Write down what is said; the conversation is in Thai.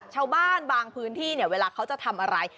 ชาวบ้านบางพื้นที่เนี่ยเวลาเขาจะทำอะไร